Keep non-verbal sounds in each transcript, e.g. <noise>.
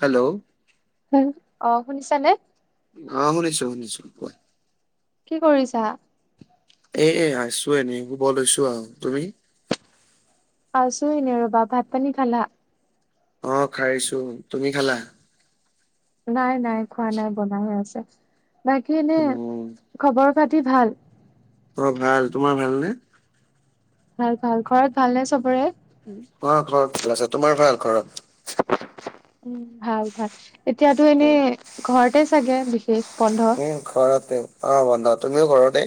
Hello. উ অ শুনিছানে? অ শুনিছো শুনিছো কোৱা। কি কৰিছা? <unintelligible> আৰু তুমি আছো আনে ৰ'বা ভাত পানী খালা? অ খাইছো। তুমি খালা? নাই নাই খোৱা নাই বনাইে আছে। বাকী এনে উম খবৰ পাতি ভাল? অ ভাল। তোমাৰ ভালনে? ভাল ভাল। ঘৰত ভালনে চবৰে? হয় ঘৰত ভাল আছে। তোমাৰ ভাল ঘৰত? উম ভাল ভাল। এতিয়াতো উম এনেই ঘৰতে চাগে বিশেষ বন্ধ ঘৰতে, অ বন্ধ। তুমিও ঘৰতে?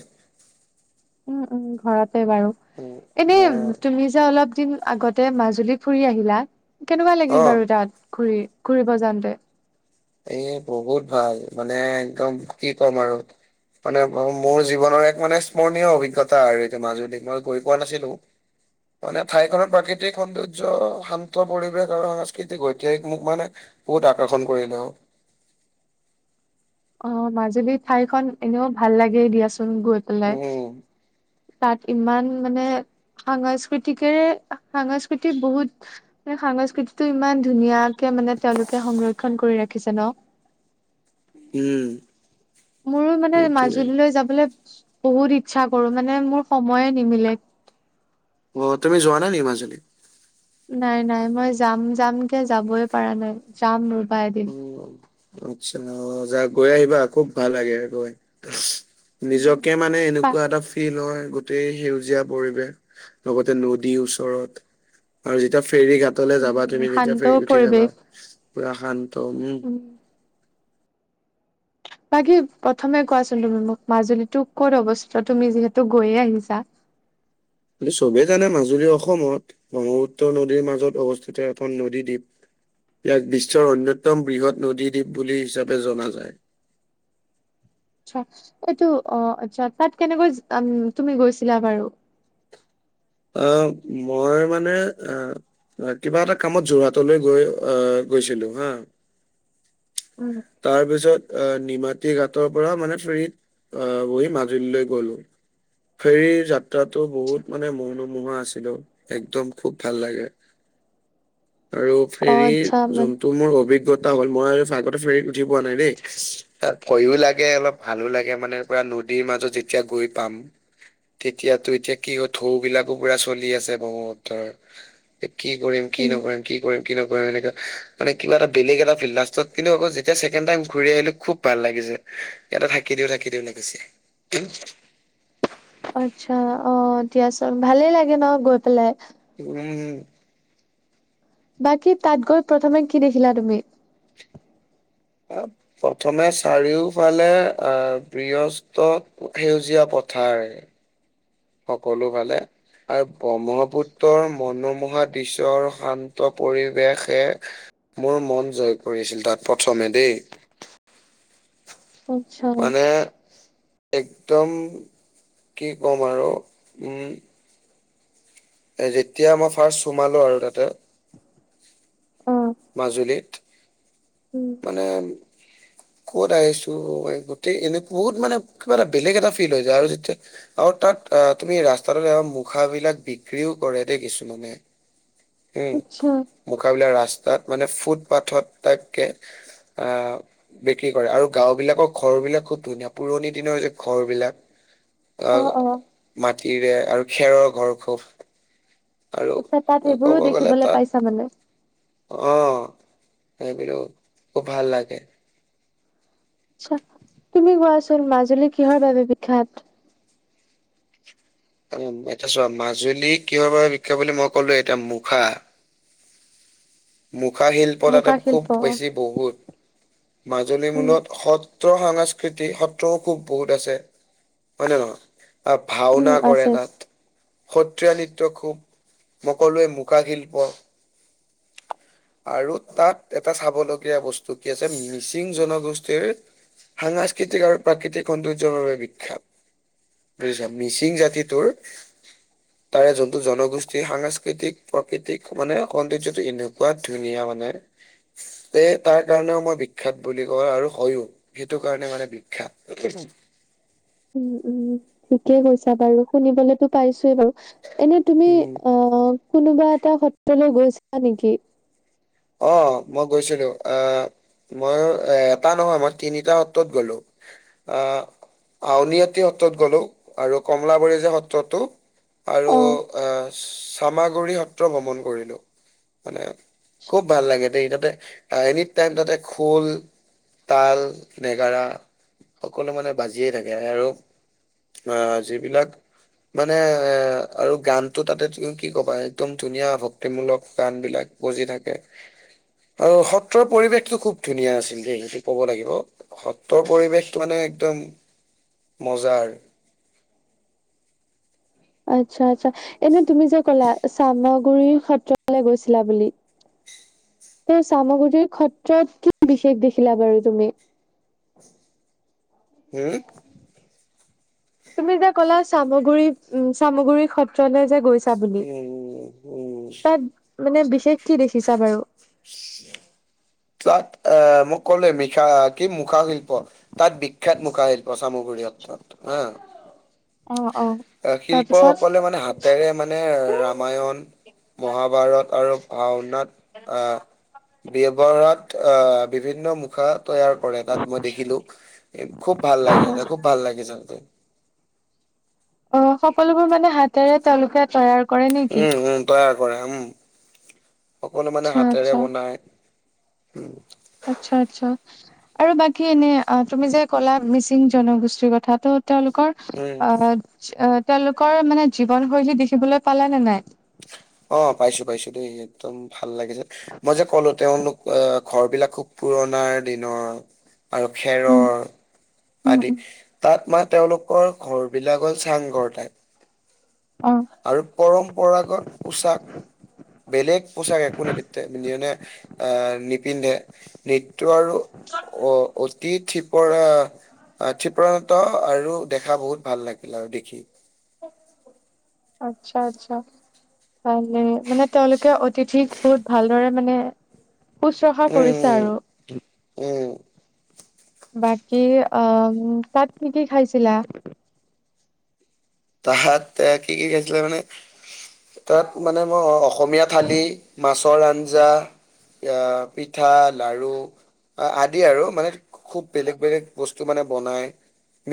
উম উম ঘৰতে বাৰু, উম এনে অ তুমি যে অলপ দিন আগতে তাতে মাজুলী ফুৰি আহিলা, কেনেকুৱা অ লাগিল বাৰু তাত ঘুৰি-ঘুৰিব যাওঁতে? এ বহুত ভাল মানে একদম কি কম আৰু। মানে মোৰ জীৱনৰ এক মানে স্মৰণীয় অভিজ্ঞতা আৰু এতিয়া মাজুলী। মই গৈ পোৱা নাছিলো। মানে ঠাইখনৰ প্ৰাকৃতিক সৌন্দৰ্য শান্ত, পৰিৱেশ আৰু সাংস্কৃতিক ঐতিহাসিক মোক মানে বহুত আকৰ্ষণ কৰিলে অ। অ মাজুলী ঠাইখন এনেও ভাল লাগেই দিয়াচোন গৈ পেলাই। উম। তাত ইমান মানে সাংস্কৃতিকেৰে সাংস্কৃতিক বহুত সংস্কৃতিটো ইমান ধুনীয়াকে মানে তেওঁলোকে সংৰক্ষণ কৰি ৰাখিছে ন। উম। মোৰো মানে সেইটোৱে মাজুলীলৈ যাবলৈ বহুত ইচ্ছা কৰো মানে মোৰ সময়ে নিমিলে। অ তুমি যোৱা নাই নেকি মাজুলী? নাই নাই মই যাম যাম কে যাবই পাৰা নাই যাম ৰবা এদিন। আচ্ছা অ যা গৈ আহিবা আকৌ ভাল লাগে গৈ। উম নিজকে মানে এনেকুৱা এনেকুৱা এটা ফিল হয় গোটেই সেউজীয়া পৰিৱেশ লগতে নদীৰ ওচৰত আৰু যেতিয়া ফেৰী ঘাটলে যাবা তুমি, যেতিয়া শান্ত ফেৰত উঠি যাবা পৰিৱেশ পুৰা শান্ত উম বাকী প্ৰথমে কোৱাচোন তুমি মোক মাজুলীতো ক'ত অৱস্থিত? তুমি যিহেতু গৈয়ে আহিছা। কি চবে জানে মাজুলী অসমত, ব্ৰহ্মপুত্ৰ নদীৰ মাজত অৱস্থিত এখন নদীদ্বীপ। ইয়াক বিশ্বৰ অন্যতম বৃহৎ নদীদ্বীপ বুলি হিচাপে জনা যায়। আচ্ছা এইটো অ আচ্ছা তাত কেনেকৈ তুমি গৈছিলা বাৰু? অ মই মানে অ কিবা এটা কামত যোৰহাটলৈ গৈ আহ গৈছিলো হা, উম। তাৰপিছত অ' নিমাতী ঘাটৰপৰা মানে ফেৰিত আ, বহি মাজুলীলৈ গলো, ফেৰী যাত্ৰাটো বহুত মানে মোৰ মনোমোহা আছিলো, একদম খুব ভাল লাগে আৰু অ' আচ্ছা ফেৰীত মান জোনটো মোৰ অভিজ্ঞতা হ'ল মই আৰু আগতে ফেৰীত উঠি পোৱা নাই দেই। তাত ভয়ো লাগে অলপ ভালো লাগে মানে পুৰা নদীৰ মাজত যেতিয়া গৈ পাম। তেতিয়াতো এতিয়া কি হৈ ঢৌবিলাক কুকুৰা চলি আছে ব্ৰহ্মপুত্ৰৰ, কি কৰিম কি উম, নকৰিম, কি কৰিম কি নকৰিম এনেকা মানে কিবা এটা বেলেগ এটা ফিল্ড, লাষ্টত কিন্তু আকৌ যেতিয়া ছেকেণ্ড টাইম ঘূৰি আহিলোঁ খুব ভাল লাগিছে। ইয়াতে থাকি দিও থাকি দিও লাগিছে। আচ্ছা, অ' দিয়াচোন। ভালে লাগে ন' গৈ পেলাই? উম। বাকী তাত গৈ প্ৰথমে কি দেখিলা তুমি? প্ৰথমে চাৰিওফালে অ' বৃহছ ত' সেউজীয়া পথাৰ। সকলোফালে। আৰু ব্ৰহ্মপুত্ৰৰ মনোমোহা দৃস্যৰ শান্ত পৰিৱেশে মোৰ মন জয় কৰিছিল তাত প্ৰথমে দেই। আচ্ছা মানে একদম কি ক'ম আৰু, উম যেতিয়া মই ফাৰ্ষ্ট সোমালোঁ আৰু তাতে অ'। মাজুলীত উম। মানে ক'ত আহিছোঁ, গোটেই এনে বহুত মানে কিবা এটা বেলেগ এটা ফিল হৈ যায় আৰু যেতিয়া আৰু তাত আ, তুমি ৰাস্তাটো মুখাবিলাক বিক্ৰীও কৰে দেই কিছুমানে। উম, আচ্ছা মুখাবিলক ৰাস্তাত মানে ফুটপাথত থাকে। আ বিক্ৰী কৰে আৰু গাওঁবিলাকৰ ঘৰবিলাক খুব ধুনীয়া, পুৰণি দিনৰ যে ঘৰবিলাক আ, অ' অ' মাটিৰে আৰু খেৰৰ ঘৰ খুব। আৰু আচ্ছা, তাত ক'ব সেইবোৰো গ'লে দেখিবলৈ তাত পাইছা মানে। অ' সেইবিলো খুব ভাল লাগে। আচ্ছা। তুমি গোৱাচো চোন মাজুলী কিহৰ বাবে বিখ্যাত? এ, চোৱা মাজুলী কিহৰ বাবে বিখ্যা বুলি মই ক'লো এতিয়া মুখা। মুখা শিল্প তাতে মুখা খুব শিল্প অ', বেছি বহুত, মাজুলী উম, মূলত সৎ সত্ৰ সাংস্কৃতি, সত্ৰও খুব বহুত আছে হয় নে নহয়? আ, উম, ভাওনা আছে কৰে আছে। তাত। সত্ৰীয়া নৃত্য খুব, মই ক'লোৱে মুখা শিল্প। আৰু তাত এটা চাবলগীয়া বস্তু কি আছে মিচিং জনগোষ্ঠীৰ সাংস্কৃতিক আৰু প্ৰাকৃতিক সৌন্দৰ্যৰ বাবে বিখ্যাত। বুজিছা মিচিং জাতিটোৰ তাৰে যোনটো জনগোষ্ঠীৰ সাংস্কৃতিক, প্ৰাকৃতিক মানে সৌন্দৰ্য এনেকুৱা ধুনীয়া মানে তে তাৰ কাৰণেও মই বিখ্যাত বুলি কয় আৰু হয়ো। সেইটো কাৰণে মানে বিখ্যাত। উম, উম, ঠিকেই কৈছা বাৰু। শুনিবলেতো পাইছোয়ে বাৰু। এনে তুমি উম আ, কোনোবা এটা সত্ৰলৈ গৈছা নেকি? অ' মই গৈছিলোঁ, আ মই এ-এটা নহয়, মই তিনিটা সত্ৰত গ'লো। আ, আউনআটি সত্ৰত গ'লো আৰু কমলাবাৰী যে সত্ৰটো আৰু অ'। আ, চামাগুৰি সত্ৰ ভ্ৰমণ কৰিলোঁ মানে। খুব ভাল লাগে দেই তাতে এনি টাইম তাতে খোল তাল, নেগাৰা সকলো মানে বাজিয়ে থাকে আৰু অ যিবিলাক মানে এ আৰু গানতটো তাতে তুমি কি ক'বা একদম ধুনীয়া ভক্তিমূলক গান বিলাক। বজি থাকে। আৰু সত্ৰৰ পৰিৱেশটো খুব ধুনীয়া আছিল দেই সেইটো কব লাগিব। সত্ৰৰ পৰিৱেশটো মানে একদম মজাৰ আৰু। আচ্ছা আচ্ছা এনে তুমি যে কলা চামগুৰি সত্ৰলৈ গৈছিলা বুলি তে চামগুৰিৰ ক্ষত্ৰত কি বিশেষ দেখিলা বাৰু তুমি? হম? তুমি যে ক'লা চামগুৰি উ চামগুৰি সত্ৰলৈ যে গৈ বুলি, উম উম তাত মানে বিশেষ কি দেখিছা বাৰু? তাত আহ মোক ক'লে মখা কি মুখা শিল্প তাত বি শেষ মুখা শিল্প চামগুৰি সত্ৰত হা অ তাৰপিছত শিল্পসকলে মানে হাত তাৰে মানে ৰামায়ণ, মহাভাৰত আৰু ভাওনাত আহ ব্যৱাৰত আহ বিভিন্ন মুখাত তৈয়াৰ কৰে তাত মই দেখিলো, খুব ভাল লাগে এটা খুব ভাল লাগে জান অ সকলোবোৰ মানে হাতেৰে তেওঁলোকে তৈয়াৰ কৰে নেকি উম উম তৈয়াৰ কৰে উম। সকলো মানে আচ্ছা হাতেৰে আচ্ছা বনাই। আচ্ছা আচ্ছা। আৰু বাকী এনে অ তুমি যে কলা মিচিং জনগোষ্ঠীৰ কথাটো তেওঁলোকৰ উম আহ তেওঁলোকৰ মানে জীৱনশৈলী দেখিবলৈ পালে নে নাই? অ পাইছো পাইছো দেই একদম ভাল লাগিছে। মই যে ক'লো তেওঁলোক আহ ঘৰ বিলাক খুব পুৰণাৰ দিনৰ আৰু উম খেৰৰ উম আদি উম। তাত মানে তেওঁলোকৰ ঘৰ বিলাক হ'ল চাংঘৰ টাইপ। অ আৰু পৰম্পৰাগত পোচাক। বেলেগ পোচাক একো নিপিতেনে আহ নি পিন্ধে। নৃত্য আৰু অ অতি থিপৰা অ <unintelligible> আৰু দেখা বহুত ভাল লাগিল আৰু দেখি। আচ্ছা আচ্ছা। ভালে মানে তেওঁলোকে অতিথিক বহুত ভালদৰে মানে শুশ্ৰূষা কৰিছে উম আৰু। উম। বাকী অ তাত কি কি খাইছিলা? তাহাত এ কি কি খাইছিলে মানে তাত মানে মই অসমীয়া থালি, মাছৰ আঞ্জা, আহ পিঠা, লাৰু অ আদি আৰু মানে খুব বেলেগ বেলেগ বস্তু মানে বনাই।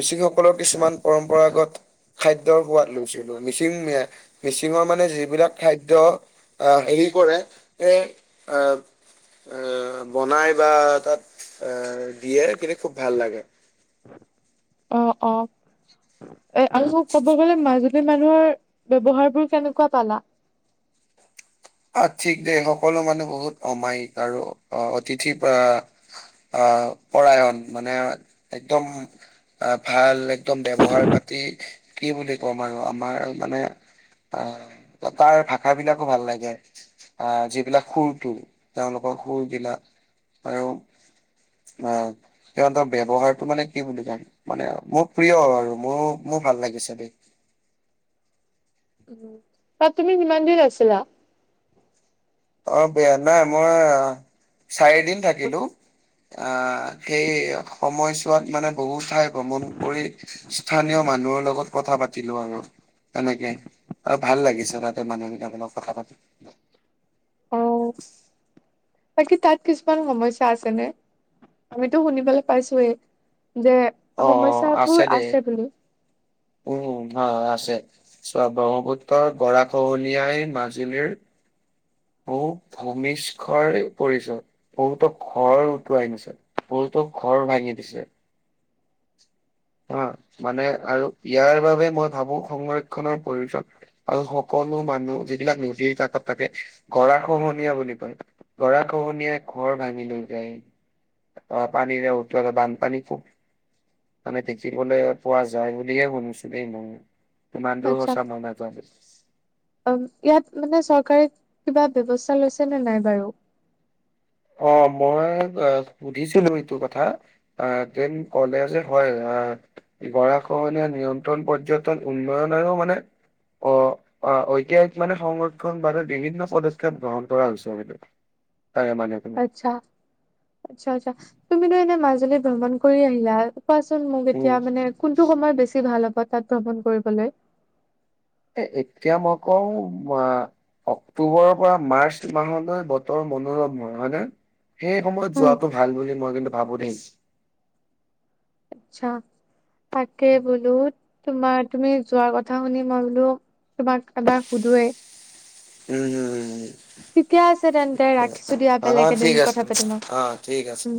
মিচিং সকলৰ কিছুমান পৰম্পৰাগত খাদ্যৰ সোৱাদ লৈছিলো। মিচিং মিচিঙৰ মানে যিবিলাক খাদ্য আহ হেৰি কৰে এ আহ বনাই বা তাত দিয়ে সেইখিনি খুব ভাল লাগে। অ অ। এ আৰু ক'ব গ'লে মাজুলী মানুহৰ ব্যৱহাৰ বোৰ কেনেকুৱা পালা? আ ঠিক দ সকলো মানুহ বহুত অমায়িক আৰু অ অতিথি বা অ পৰাৰায়ণ মানে একদম আহ ভাল একদম ব্যৱহাৰ-পাতি কি বুলি ক'ম আৰু আমাৰ মানে অ তাৰ ভাষা বিলাকো ভাল লাগে। আহ যিবিলাক সুৰটো তেওঁলোকৰ সুৰবিলাক আৰু। অ'। সিহঁতৰ ব্যৱহাৰটো মানে কি বুলি ক'ম মানে মোৰ প্ৰিয় আৰু মোৰ মোৰ ভাল লাগিছে দে। উ তাত তুমি যিমান দিন আছিলা। অ', বেয়া নাই মই চাৰিদিন থাকিলোঁ। আহ সেই সময়ছোৱাত মানে বহু ঠাই ভ্ৰমণ কৰি স্থানীয় মানুহৰ লগত কথা পাতিলোঁ আৰু। তেনেকে আৰু ভাল লাগিছে তাতে মানুহবিলাকলাক কথা পাতি। অ বাকী তাত কিছুমান সমস্যা আছে নে আমিতো শুনিবলৈ পাইছোয়ে যে অ', সমস্যাবোৰ আছে দে বুলি উম হয় আছে। চোৱা ব্ৰহ্মপুত্ৰ গৰা খহনীয়াই মাজুলীৰ বহুত ভূমিষ্ককৰৰে পৰিচয় বহুতো ঘৰ উটুৱাই নিচে। ফুলতোক ঘৰ ভাঙি দিছে। অ', মানে আৰু ইয়াৰ বাবে মই ভাবোঁ সংৰক্ষনৰৰ প্ৰয়োজন। আৰু সকলো মানুহ যিবিলাক নদীৰ কাকত থাকে গৰা খহনীয়া বুলি কয়। গৰখনীয়া ঘৰ ভাঙি লৈ যায়। পানীৰে উতোলা বানপানী খুব মানে থিকিবলৈ পোৱা যায় বুলিয়ে শুনিছিলোঁ ই মই ইমান দূৰ সঁচা ময় নাজানো অ', ইয়াত মানে চৰকাৰে কিবা ব্যৱস্থা লৈছে নে নাই বাৰু। অ', মই সুধিছিলো এইটো কথা। অ', তেন ক'লে যে হয় আহ। গৰাখীয়া নিয়ন্ত্ৰণ পৰ্যটন উন্নয়নৰ মানে অ', ঐতিহাসিক মানে সংৰক্ষণ বাদে বিভিন্ন পদক্ষেপ গ্ৰহণ কৰা হৈছে সেটো। তাকে মানে। আচ্ছা, আচ্ছা, আচ্ছা তুমিতো এনে মাজুলী ভ্ৰমণ কৰি আহিলা কোৱাচোন মোক এতিয়া উম মানে কোনটো সময়ত বেছি ভাল হ'ব তাত ভ্ৰমণ কৰিবলৈ। এ এতিয়া মই কওঁ অক্টোবৰৰ পৰা মাৰ্চ মাহলৈ বতৰ মনোৰম হয় হয়নে। সেই সময়ত উম যোৱাতটো ভাল বুলি মই কিন্তু ভাবোঁ দে। আচ্ছা, তাকে বোলো তোমাৰ তুমি যোৱাৰ কথা শুনি মই বোলো তোমাক এবাৰ সুধোৱে। উম, উম, উম ঠিকে আছে তেন্তে উ। ৰাখিছো দিয়া বেলেগ অ', এদিন ঠিক আছে, কথা পাতিম আৰু অ', ঠিক আছে। উম